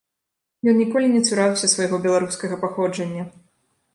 Ён ніколі не цураўся свайго беларускага паходжання.